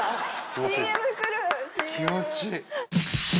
気持ちいい？